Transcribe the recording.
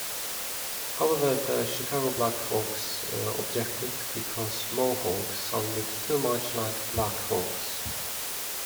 However, the Chicago Black Hawks objected because "Mohawks" sounded too much like "Black Hawks".